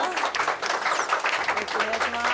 よろしくお願いします。